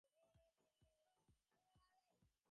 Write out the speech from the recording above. আমার গাম্বো পুড়ে যাচ্ছে বলোনি কেন?